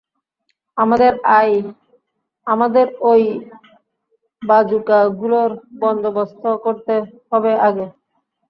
আমাদের অই বাযুকাগুলোর বন্দোবস্ত করতে হবে আগে!